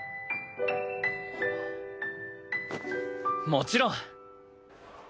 もちろん。